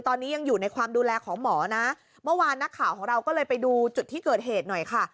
ตอนนี้ยังอยู่ในความดูแลของหมอนะเมื่อวานนักข่าวของเราก็เลยไปดูจุดที่เกิดเหตุหน่อยค่ะ